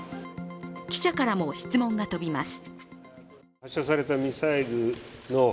記者からも質問が飛びます。